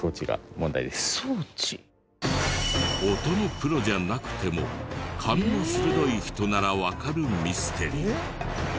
音のプロじゃなくても勘の鋭い人ならわかるミステリー。